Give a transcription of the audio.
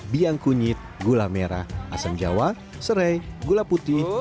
biang kunyit gula merah asam jawa serai gula putih